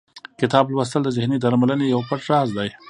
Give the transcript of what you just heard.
کتاب لوستل د ذهني درملنې یو پټ راز دی.